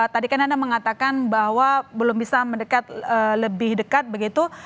tadi kan anda mengatakan bahwa belum bisa mendekat lebih dekat begitu